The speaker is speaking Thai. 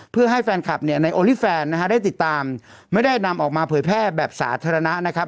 เพื่อให้แฟนคลับเนี่ยในโอลี่แฟนนะฮะได้ติดตามไม่ได้นำออกมาเผยแพร่แบบสาธารณะนะครับ